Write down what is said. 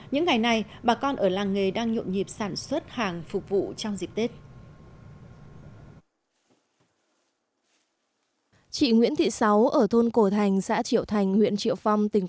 những ngày này bà con ở làng nghề đang nhộn nhịp sản xuất hàng phục vụ trong dịp tết